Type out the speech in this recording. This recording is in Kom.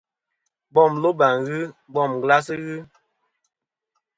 Bom loba ghɨ, bom glas ghɨ.